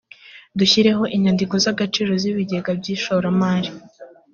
dushyireho inyandiko z ‘agaciro z’ ibigega by’ ishoramari.